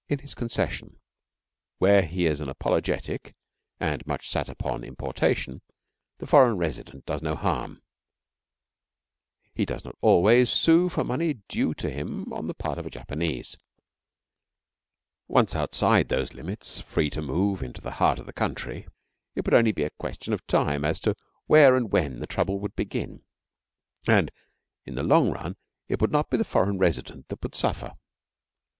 In his concession, where he is an apologetic and much sat upon importation, the foreign resident does no harm. He does not always sue for money due to him on the part of a Japanese. Once outside those limits, free to move into the heart of the country, it would only be a question of time as to where and when the trouble would begin. And in the long run it would not be the foreign resident that would suffer.